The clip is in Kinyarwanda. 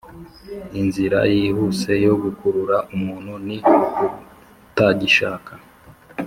inzira yihuse yo gukurura umuntu ni ukutagishaka.